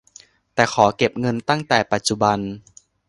แต่ขอเก็บเงินตั้งแต่ปัจจุบัน